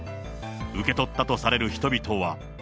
受け取ったとされる人々は。